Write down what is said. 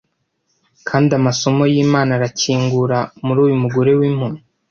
kandi amaso yimana arakingura muri uyu mugore wimpumyi